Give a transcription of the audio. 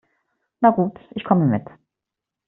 Na gut, ich komme mit.